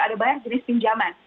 ada banyak jenis pinjaman